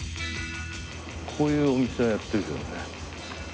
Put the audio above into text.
こういうお店はやってるけどね。